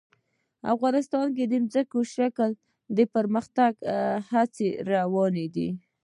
افغانستان کې د ځمکنی شکل د پرمختګ هڅې روانې دي.